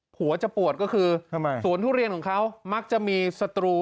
หัวจะปวดก็คือทำไมสวนทุเรียนของเขามักจะมีศัตรู